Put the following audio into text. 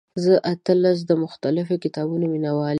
زه اتلس د مختلفو کتابونو مینوال یم.